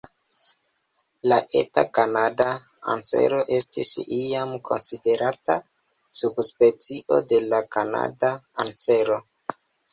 La Eta kanada ansero estis iam konsiderata subspecio de la Kanada ansero.